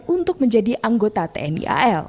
untuk menjadi anggota tni